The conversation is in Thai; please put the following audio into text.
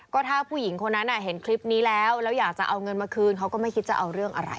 ก็ถ้าผู้หญิงคนนั้นเห็นคลิปนี้แล้วแล้วอยากจะเอาเงินมาคืนเขาก็ไม่คิดจะเอาเรื่องอะไร